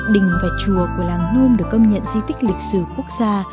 đình và chùa của làng nôm được công nhận di tích lịch sử quốc gia